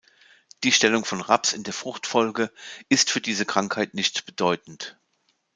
Die Stellung von Raps in der Fruchtfolge ist für diese Krankheit nicht bedeutend.